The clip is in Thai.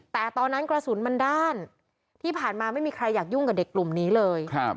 แต่ตอนนั้นกระสุนมันด้านที่ผ่านมาไม่มีใครอยากยุ่งกับเด็กกลุ่มนี้เลย